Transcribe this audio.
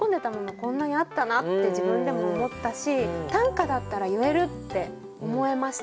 こんなにあったなって自分でも思ったし短歌だったら言えるって思えました自分も。